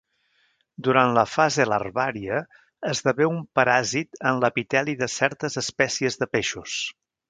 Durant la fase larvària esdevé un paràsit en l'epiteli de certes espècies de peixos.